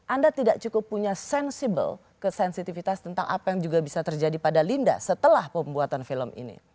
anda tidak cukup punya sensibel kesensitivitas tentang apa yang juga bisa terjadi pada linda setelah pembuatan film ini